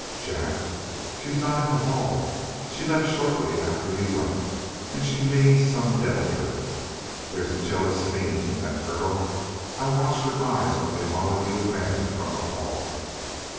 "Jack? She's not in the hall. She left shortly after you went, and she means some deviltry. There's a jealous fiend in that girl. I watched her eyes when they followed you and Mary from the hall."